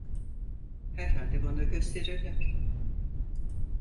Herhalde bana gösterirler!